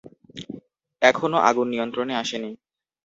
এখনো আগুন নিয়ন্ত্রণে আসেনি।